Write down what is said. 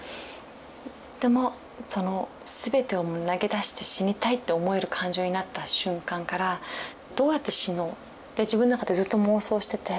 でもその「全てを投げ出して死にたい」って思える感情になった瞬間から「どうやって死のう」って自分の中でずっと妄想してて。